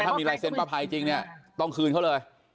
ถ้ามีลายเซ็นต์ป้าภัยจริงเนี่ยต้องคืนเขาเลย